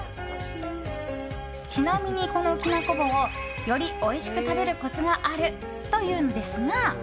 ちなみに、このきなこ棒よりおいしく食べるコツがあるというのですが。